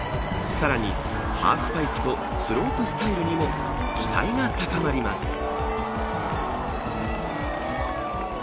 さらに、ハーフパイプとスロープスタイルにも期待が高まります。